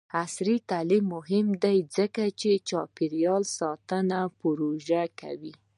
عصري تعلیم مهم دی ځکه چې د چاپیریال ساتنې پروژې کوي.